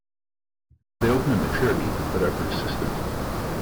They open at maturity but are persistent.